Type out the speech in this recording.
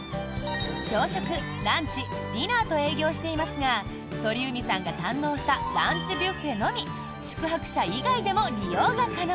朝食、ランチ、ディナーと営業していますが鳥海さんが堪能したランチビュッフェのみ宿泊者以外でも利用が可能。